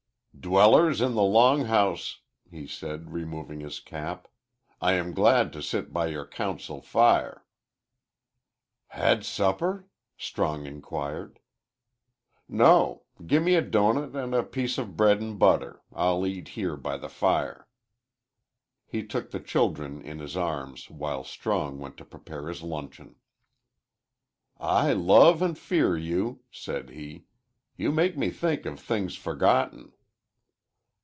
"Dwellers in the long house," he said, removing his cap, "I am glad to sit by your council fire." "Had supper?" Strong inquired. "No give me a doughnut and a piece of bread and butter. I'll eat here by the fire." He took the children in his arms while Strong went to prepare his luncheon. "I love and fear you," said he. "You make me think of things forgotten."